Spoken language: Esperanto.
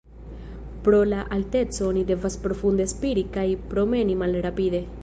Pro la alteco oni devas profunde spiri kaj promeni malrapide.